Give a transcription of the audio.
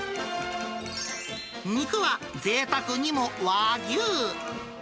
肉はぜいたくにも和牛。